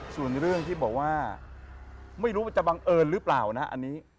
ส่วนเรื่องที่บอกว่าไม่รู้มันจะบังเอิญหรือเปล่านะอันนี้